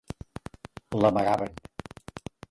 L'amagaven.